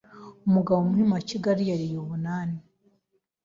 Umugabo mu Muhima wa Kigali, yariye Ubunani